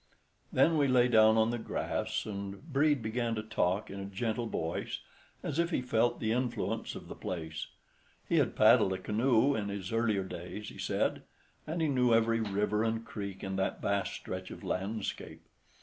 Then we lay down on the grass, and Brede began to talk, in a gentle voice, as if he felt the influence of the place. He had paddled a canoe, in his earlier days, he said, and he knew every river and creek in that vast stretch of landscape.